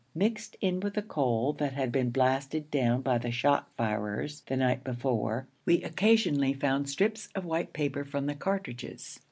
Mixed in with the coal that had been blasted down by the shot firers the night before, we occasionally found strips of white paper from the cartridges.